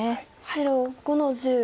白５の十。